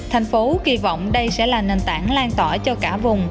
thành phố kỳ vọng đây sẽ là nền tảng lan tỏi cho cả vùng